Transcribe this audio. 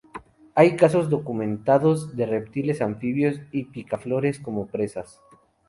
Hay casos documentados de reptiles, anfibios y picaflores como presas.